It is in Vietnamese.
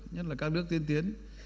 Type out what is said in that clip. nhất là các nước tiến tiến